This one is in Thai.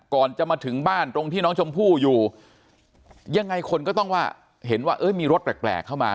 ก่อนจะมาถึงบ้านตรงที่น้องชมพู่อยู่ยังไงคนก็ต้องว่าเห็นว่าเอ้ยมีรถแปลกเข้ามา